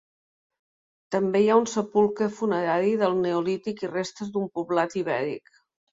També hi ha un sepulcre funerari del neolític i restes d'un poblat ibèric.